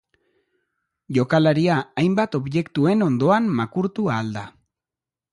Jokalaria hainbat objektuen ondoan makurtu ahal da.